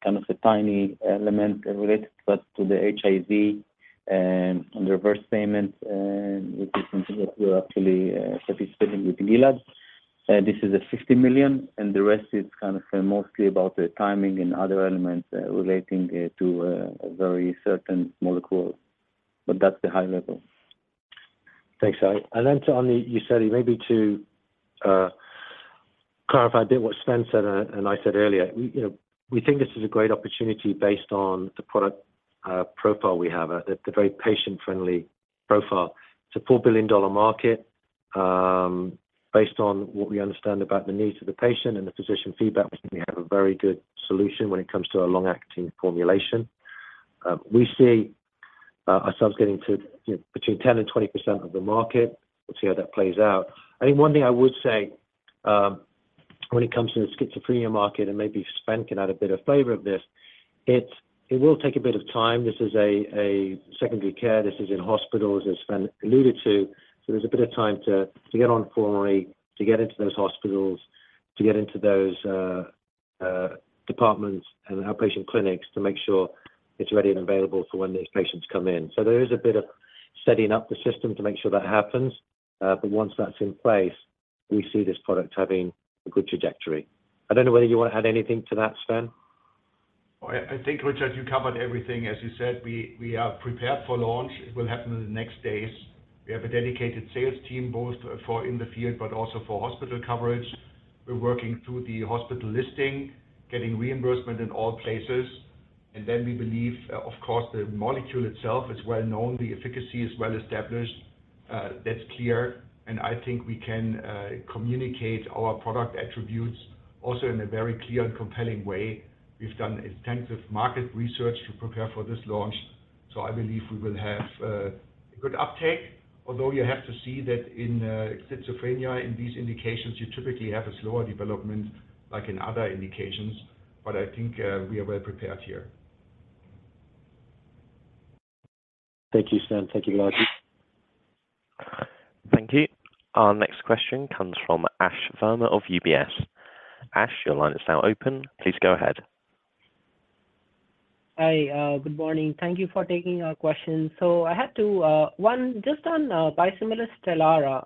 kind of a tiny element related but to the HIV and on the reverse payments, which is something that we're actually participating with Gilead. This is a $50 million, and the rest is kind of mostly about the timing and other elements relating to a very certain molecule. That's the high level.
Thanks, Eli. Then to on the UZEDY, maybe to clarify a bit what Sven said and I said earlier. we we think this is a great opportunity based on the product profile we have, the very patient-friendly profile. It's a $4 billion market. Based on what we understand about the needs of the patient and the physician feedback, we think we have a very good solution when it comes to a long-acting formulation. We see ourselves getting to between 10% and 20% of the market. We'll see how that plays out. I think one thing I would say, when it comes to the schizophrenia market, maybe Sven can add a bit of flavor of this, it will take a bit of time. This is a secondary care. This is in hospitals, as Sven alluded to. There's a bit of time to get on formulary, to get into those hospitals, to get into those departments and outpatient clinics to make sure it's ready and available for when these patients come in. There is a bit of setting up the system to make sure that happens. Once that's in place, we see this product having a good trajectory. I don't know whether you want to add anything to that, Sven.
I think, Richard, you covered everything. As you said, we are prepared for launch. It will happen in the next days. We have a dedicated sales team both for in the field but also for hospital coverage. We're working through the hospital listing, getting reimbursement in all places. Then we believe, of course, the molecule itself is well known, the efficacy is well established, that's clear. I think we can communicate our product attributes also in a very clear and compelling way. We've done extensive market research to prepare for this launch. I believe we will have a good uptake, although you have to see that in schizophrenia, in these indications, you typically have a slower development like in other indications. I think, we are well prepared here.
Thank you, Sven. Thank you, Richard.
Thank you. Our next question comes from Ash Verma of UBS. Ash, your line is now open. Please go ahead.
Hi, good morning. Thank you for taking our question. I had two, one just on biosimilar STELARA.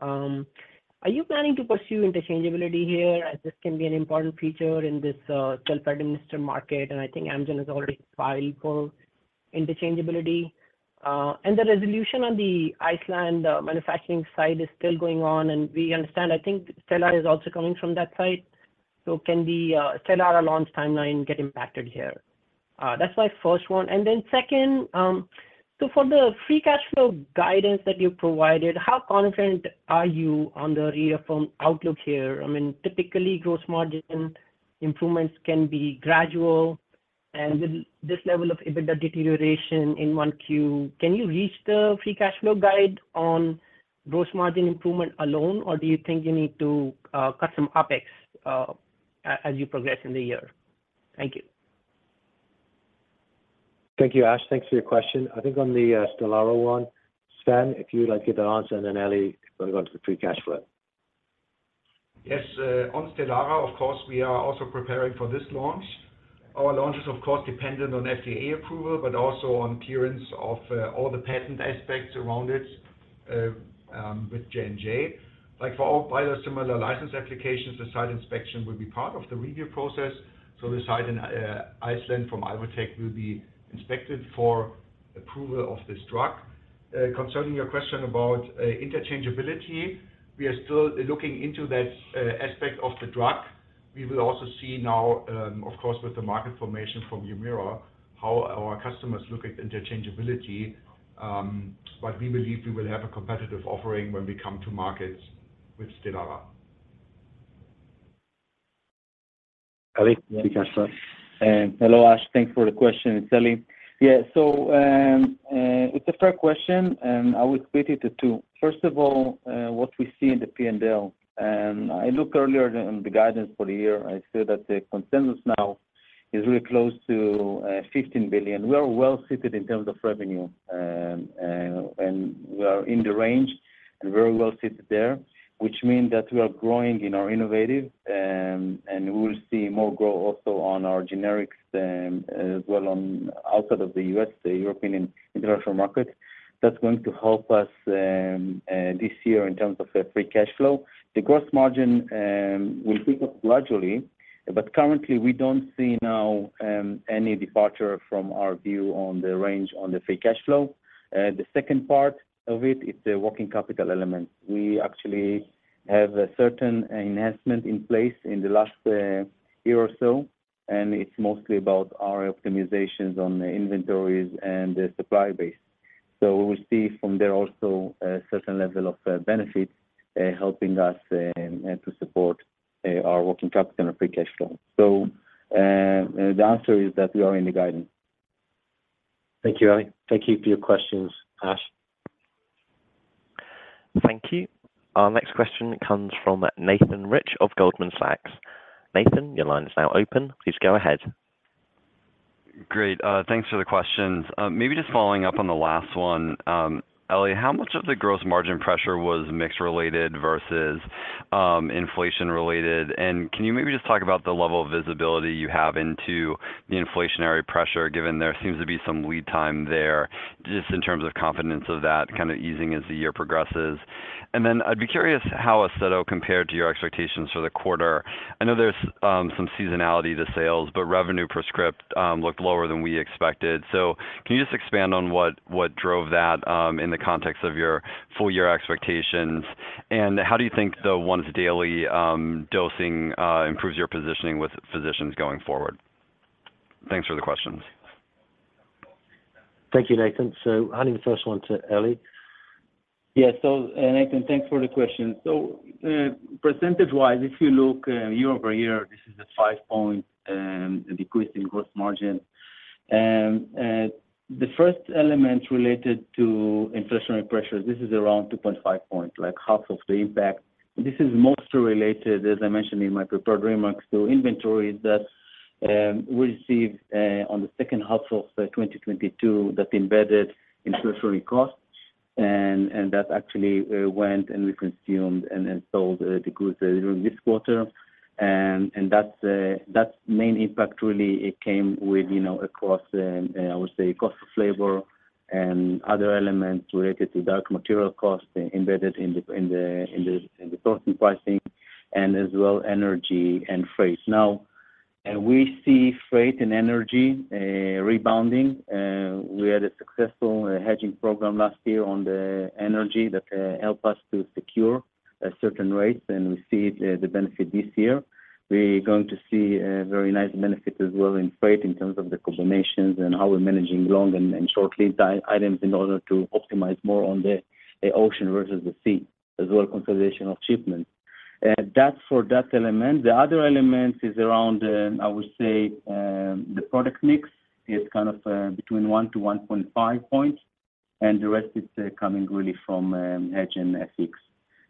Are you planning to pursue interchangeability here as this can be an important feature in this self-administer market? I think Amgen has already filed for interchangeability. The resolution on the Iceland manufacturing site is still going on, and we understand, I think STELARA is also coming from that site. Can the STELARA launch timeline get impacted here? That's my first one. Second, for the free cash flow guidance that you provided, how confident are you on the Reaffirm outlook here? I mean, typically gross margin improvements can be gradual, and with this level of EBITDA deterioration in 1 Q, can you reach the free cash flow guide on gross margin improvement alone, or do you think you need to cut some OpEx as you progress in the year? Thank you.
Thank you, Ash. Thanks for your question. I think on the STELARA one, Sven, if you would like to give the answer, and then Eli, you wanna go into the free cash flow.
Yes. On Stelara, of course, we are also preparing for this launch. Our launch is, of course, dependent on FDA approval, but also on clearance of all the patent aspects around it with J&J. Like for all biosimilar license applications, the site inspection will be part of the review process. The site in Iceland from Alvotech will be inspected for approval of this drug. Concerning your question about interchangeability, we are still looking into that aspect of the drug. We will also see now, of course with the market information from Humira, how our customers look at interchangeability. We believe we will have a competitive offering when we come to market with Stelara.
Eli, free cash flow.
Hello, Ash. Thanks for the question. It's Eli. It's a fair question. I will split it to two. First of all, what we see in the P&L. I looked earlier on the guidance for the year. I see that the consensus now is really close to $15 billion. We are well seated in terms of revenue, and we are in the range and very well seated there, which mean that we are growing in our innovative, and we will see more growth also on our generics, as well on outside of the U.S., the European and international market. That's going to help us this year in terms of the free cash flow. The gross margin will pick up gradually, but currently we don't see now any departure from our view on the range on the free cash flow. The second part of it is the working capital element. We actually have a certain enhancement in place in the last year or so, and it's mostly about our optimizations on the inventories and the supply base. We will see from there also a certain level of benefit helping us to support our working capital and free cash flow. The answer is that we are in the guidance.
Thank you, Eli. Thank you for your questions, Ash.
Thank you. Our next question comes from Nathan Rich of Goldman Sachs. Nathan, your line is now open. Please go ahead.
Great. Thanks for the questions. Maybe just following up on the last one. Eli, how much of the gross margin pressure was mix related versus inflation related? Can you maybe just talk about the level of visibility you have into the inflationary pressure, given there seems to be some lead time there, just in terms of confidence of that kind of easing as the year progresses. Then I'd be curious how AUSTEDO compared to your expectations for the quarter. I know there's some seasonality to sales, but revenue per script looked lower than we expected. Can you just expand on what drove that in the context of your full year expectations? How do you think the once-daily dosing improves your positioning with physicians going forward? Thanks for the questions.
Thank you, Nathan. Handing the first one to Eli.
Yeah. Nathan, thanks for the question. Percentage-wise, if you look, year-over-year, this is a 5 percentage points decrease in gross margin. The first element related to inflationary pressure, this is around 2.5 percentage points, like half of the impact. This is mostly related, as I mentioned in my prepared remarks, to inventory that we received on the second half of 2022 that embedded inflationary costs and that actually went and we consumed and then sold the goods during this quarter. That main impact really it came with across, I would say cost of labor and other elements related to direct material costs embedded in the sourcing pricing, and as well energy and freight. Now, we see freight and energy rebounding. We had a successful hedging program last year on the energy that helped us to secure certain rates, and we see the benefit this year. We're going to see a very nice benefit as well in freight in terms of the combinations and how we're managing long and short lead time items in order to optimize more on the ocean versus the sea, as well as consolidation of shipments. That's for that element. The other element is around, I would say, the product mix is kind of between 1 to 1.5 points, and the rest is coming really from hedge and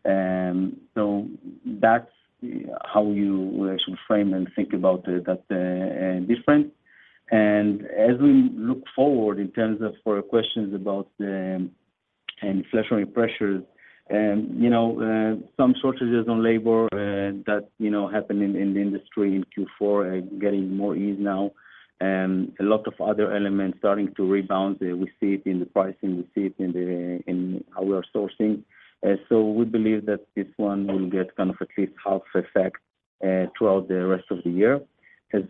OpEx. That's how you should frame and think about that difference. As we look forward in terms of for questions about and inflationary pressures and some shortages on labor, that happened in the industry in Q4 and getting more ease now, and a lot of other elements starting to rebound. We see it in the pricing, we see it in the, in our sourcing. We believe that this one will get kind of at least half effect throughout the rest of the year. If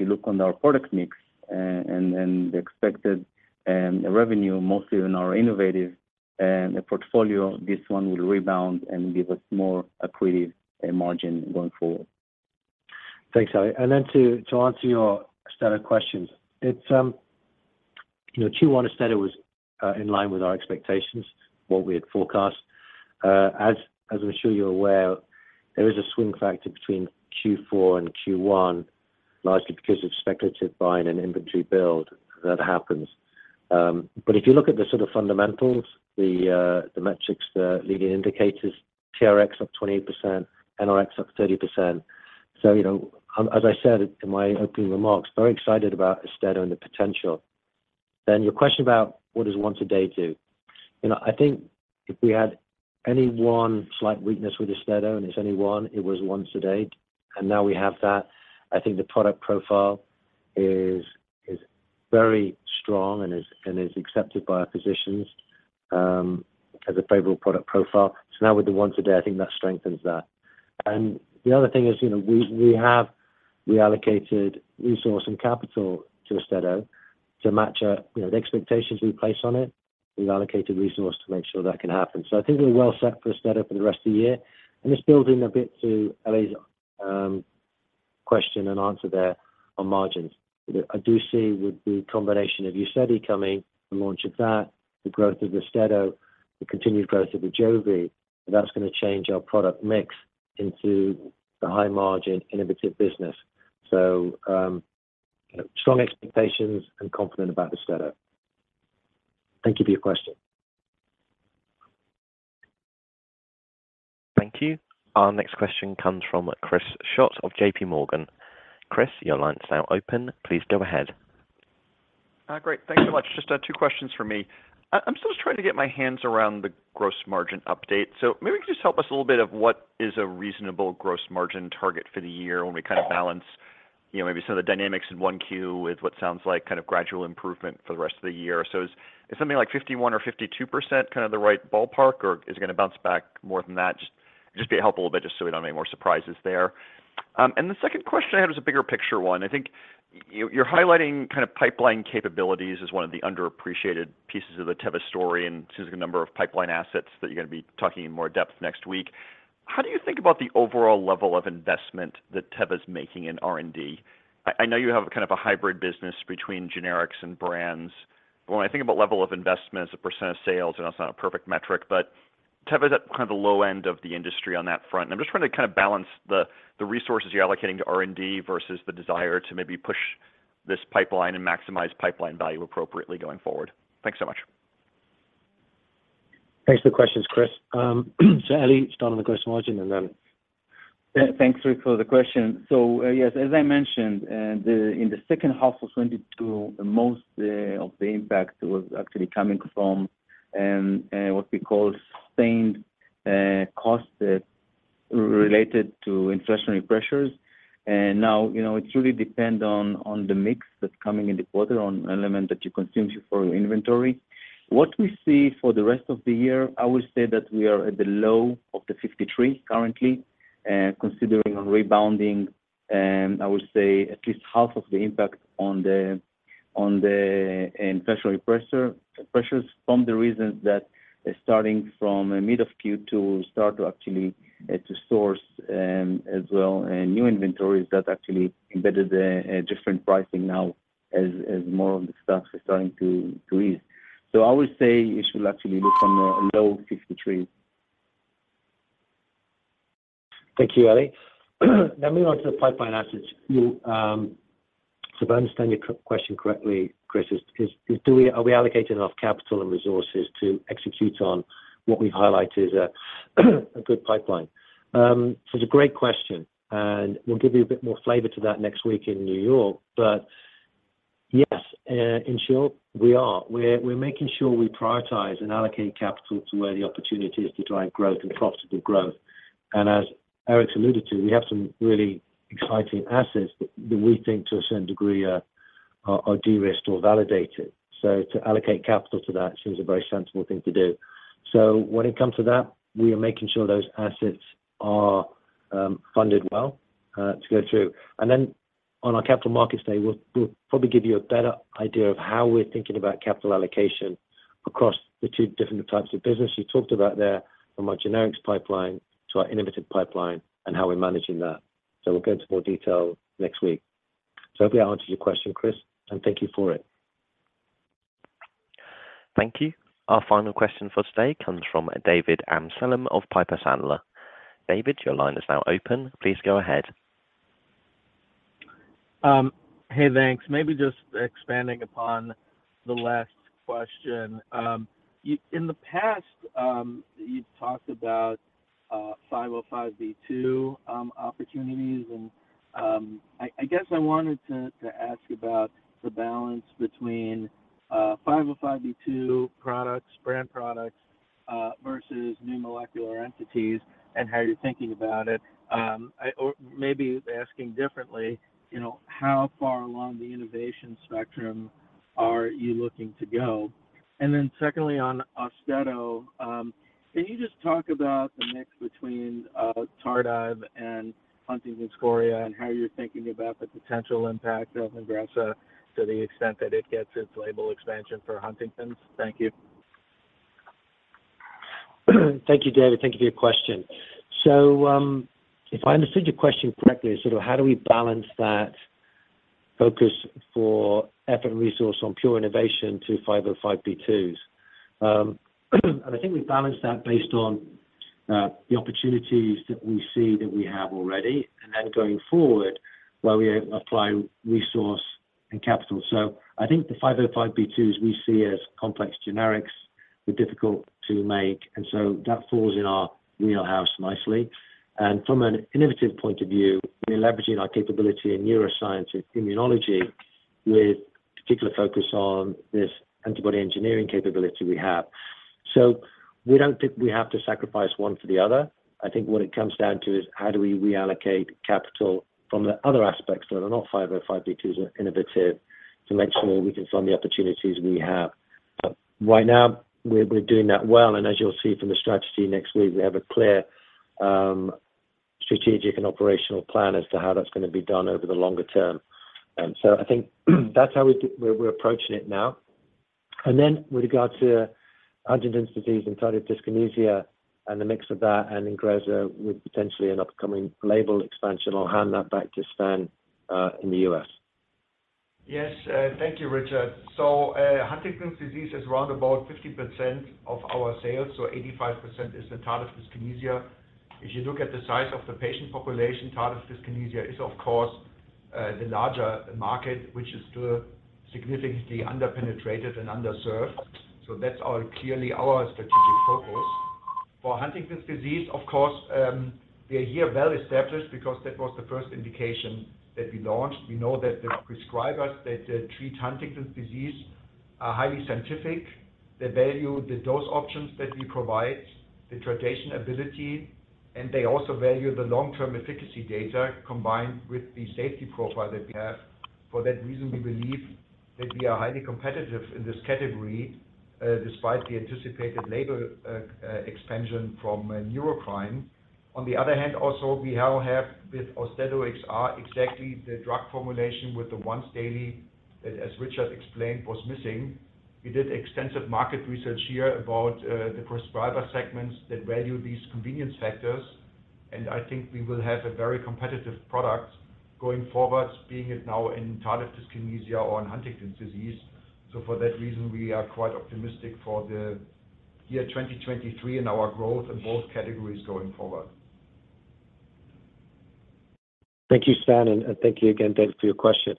you look on our product mix and the expected revenue, mostly on our innovative portfolio, this one will rebound and give us more accretive margin going forward.
Thanks, Eli. To answer your standard questions. it's Q1 instead it was in line with our expectations, what we had forecast. As I'm sure you're aware, there is a swing factor between Q4 and Q1, largely because of speculative buying and inventory build that happens. If you look at the sort of fundamentals, the metrics, the leading indicators, TRX up 28%, NRX up 30%. You know, as I said in my opening remarks, very excited about AUSTEDO and the potential. Your question about what does once a day do? You know, I think if we had any one slight weakness with AUSTEDO, and it's only one, it was once a day. Now we have that. I think the product profile is very strong and is accepted by our physicians as a favorable product profile. Now with the once a day, I think that strengthens that. The other thing is we have reallocated resource and capital to AUSTEDO to match the expectations we place on it. We've allocated resource to make sure that can happen. I think we're well set for AUSTEDO for the rest of the year. This builds in a bit to Eli's question and answer there on margins. I do see with the combination of UZEDY coming, the launch of that, the growth of AUSTEDO, the continued growth of AJOVY, that's going to change our product mix into the high margin innovative business. Strong expectations and confident about AUSTEDO. Thank you for your question.
Thank you. Our next question comes from Chris Schott of J.P. Morgan. Chris, your line is now open. Please go ahead.
Great, thanks so much. Just 2 questions for me. I'm still trying to get my hands around the gross margin update. Maybe you can just help us a little bit of what is a reasonable gross margin target for the year when we kind of balance maybe some of the dynamics in 1Q is what sounds like kind of gradual improvement for the rest of the year. Is something like 51% or 52% kind of the right ballpark or is it going to bounce back more than that? Just be helpful a bit just so we don't have any more surprises there. The second question I have is a bigger picture one. I think you're highlighting kind of pipeline capabilities as one of the underappreciated pieces of the Teva story. Since there's a number of pipeline assets that you're going to be talking in more depth next week, how do you think about the overall level of investment that Teva's making in R&D? I know you have kind of a hybrid business between generics and brands, but when I think about level of investment as a % of sales, I know it's not a perfect metric, but Teva's at kind of the low end of the industry on that front. I'm just trying to kind of balance the resources you're allocating to R&D versus the desire to maybe push this pipeline and maximize pipeline value appropriately going forward. Thanks so much.
Thanks for the questions, Chris. Eli, start on the gross margin and then...
Thanks for the question. Yes, as I mentioned, the, in the second half of 2022, most of the impact was actually coming from what we call sustained costs related to inflationary pressures. now it really depend on the mix that's coming in the quarter on element that you consume for your inventory. What we see for the rest of the year, I would say that we are at the low of the 53 currently, considering on rebounding, I would say at least half of the impact on the inflationary pressures from the reasons that starting from mid of Q2 start to actually to source as well new inventories that actually embedded a different pricing now as more of the stocks are starting to ease. I would say you should actually look on the low of $53.
Thank you, Eli. So if I understand your question correctly, Chris, are we allocating enough capital and resources to execute on what we've highlighted as a good pipeline? It's a great question. We'll give you a bit more flavor to that next week in New York. Yes, in short, we are. We're making sure we prioritize and allocate capital to where the opportunity is to drive growth and profitable growth. As Eric alluded to, we have some really exciting assets that we think to a certain degree are de-risked or validated. To allocate capital to that seems a very sensible thing to do. When it comes to that, we are making sure those assets are funded well to go through. On our Capital Markets Day, we'll probably give you a better idea of how we're thinking about capital allocation across the two different types of business you talked about there, from our generics pipeline to our innovative pipeline, and how we're managing that. We'll go into more detail next week. Hopefully I answered your question, Chris, and thank you for it.
Thank you. Our final question for today comes from David Amsellem of Piper Sandler. David, your line is now open. Please go ahead.
Hey, thanks. Maybe just expanding upon the last question. In the past, you've talked about 505(b)(2) opportunities. I guess I wanted to ask about the balance between 505(b)(2) products, brand products versus new molecular entities and how you're thinking about it. Maybe asking differently how far along the innovation spectrum are you looking to go? Secondly, on AUSTEDO, can you just talk about the mix between tardive and Huntington's chorea and how you're thinking about the potential impact of INGREZZA to the extent that it gets its label expansion for Huntington's? Thank you.
Thank you, David. Thank you for your question. If I understood your question correctly, it's sort of how do we balance that focus for effort and resource on pure innovation to 505(b)(2)s. I think we balance that based on the opportunities that we see that we have already, then going forward, where we apply resource and capital. I think the 505(b)(2)s we see as complex generics, they're difficult to make. That falls in our wheelhouse nicely. From an innovative point of view, we're leveraging our capability in neuroscience and immunology with particular focus on this antibody engineering capability we have. We don't think we have to sacrifice one for the other. I think what it comes down to is how do we reallocate capital from the other aspects that are not 505(b)(2)s innovative to make sure we can fund the opportunities we have. Right now we're doing that well, and as you'll see from the strategy next week, we have a clear strategic and operational plan as to how that's gonna be done over the longer term. I think that's how we're approaching it now. With regards to Huntington's disease and tardive dyskinesia and the mix of that and INGREZZA with potentially an upcoming label expansion, I'll hand that back to Stan in the U.S.
Yes. Thank you, Richard. Huntington's disease is round about 50% of our sales, 85% is the tardive dyskinesia. If you look at the size of the patient population, tardive dyskinesia is of course, the larger market, which is still significantly under-penetrated and underserved. That's our, clearly our strategic focus. For Huntington's disease, of course, we are here well-established because that was the first indication that we launched. We know that the prescribers that treat Huntington's disease are highly scientific. They value the dose options that we provide, the titration ability, and they also value the long-term efficacy data combined with the safety profile that we have. For that reason, we believe that we are highly competitive in this category, despite the anticipated label expansion from Neurocrine. On the other hand, also, we now have with AUSTEDO XR exactly the drug formulation with the once-daily that, as Richard explained, was missing. We did extensive market research here about the prescriber segments that value these convenience factors, and I think we will have a very competitive product going forward, being it now in tardive dyskinesia or in Huntington's disease. For that reason, we are quite optimistic for the year 2023 and our growth in both categories going forward.
Thank you, Stan, and thank you again, David, for your question.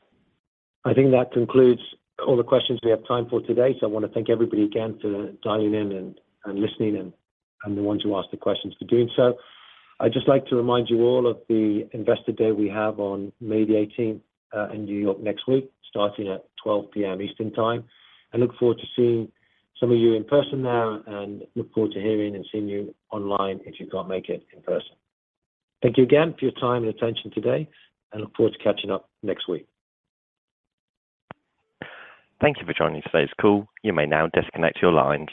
I think that concludes all the questions we have time for today. I wanna thank everybody again for dialing in and listening and the ones who asked the questions for doing so. I'd just like to remind you all of the Investor Day we have on May the eighteenth in New York next week, starting at 12:00 P.M. Eastern Time. I look forward to seeing some of you in person there and look forward to hearing and seeing you online if you can't make it in person. Thank you again for your time and attention today, and look forward to catching up next week.
Thank you for joining today's call. You may now disconnect your lines.